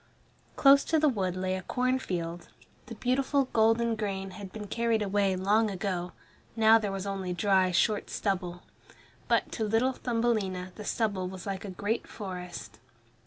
Close to the wood lay a corn field. The beautiful golden grain had been carried away long ago, now there was only dry short stubble. But to little Thumbelina the stubble was like a great forest.